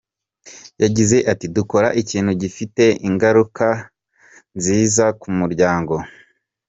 Yagize ati “Dukora ikintu gifite ingaruka nziza ku muryango.